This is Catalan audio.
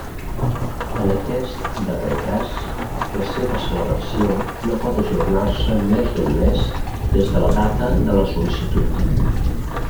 En aquest darrer cas, la seva celebració no pot ajornar-se més d'un mes des de la data de la sol·licitud.